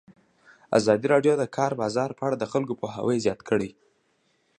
ازادي راډیو د د کار بازار په اړه د خلکو پوهاوی زیات کړی.